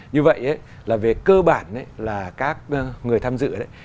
như vậy là về cơ bản là các người tham dự đấy